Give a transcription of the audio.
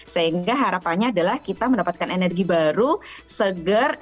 sehingga harapannya adalah kita mendapatkan energi baru segar enzim